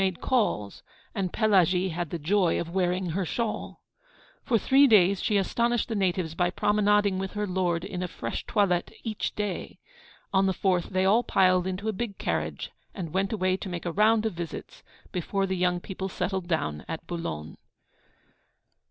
made calls, and Pelagie had the joy of wearing her shawl. For three days she astonished the natives by promenading with her lord in a fresh toilette each day. On the fourth they all piled into a big carriage, and went away to make a round of visits, before the young people settled down at Boulogne.